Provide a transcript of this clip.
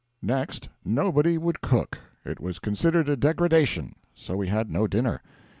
Next, nobody would cook; it was considered a degradation; so we had no dinner.